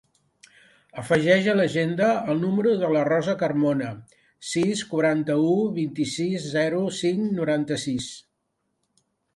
Afegeix a l'agenda el número de la Rosa Carmona: sis, quaranta-u, vint-i-sis, zero, cinc, noranta-sis.